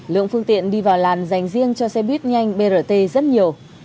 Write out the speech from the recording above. lượng phương tiện đi vào làn dành riêng cho xe buýt nhanh brt rất nhiều